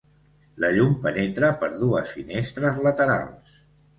La llum penetra per dues finestres laterals.